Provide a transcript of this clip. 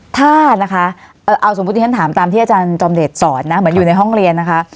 ถ้านะคะเอาสมมุติที่ฉันถามตามที่อาจารย์จอมเดชสอนนะเหมือนอยู่ในห้องเรียนนะคะ